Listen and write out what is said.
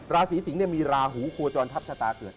ราศีสิงศ์มีราหูโคจรทัพชะตาเกิด